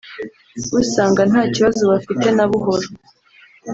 bo usanga nta kibazo bafite na buhoro